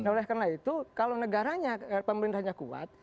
oleh karena itu kalau negaranya pemerintahnya kuat